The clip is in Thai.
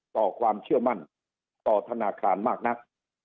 ต่อความเชื่อมั่นต่อธนาคารมากนัก